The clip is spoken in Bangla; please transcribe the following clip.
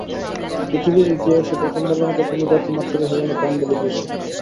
পৃথিবীর ইতিহাসে প্রথমবারের মতো কোনো জাতি মাতৃভাষার জন্য প্রাণ বলি দিয়েছিল।